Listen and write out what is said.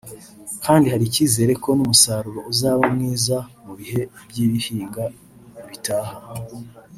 kandi hari icyizere ko n’umusaruro uzaba mwiza mu bihe by’ihinga bitaha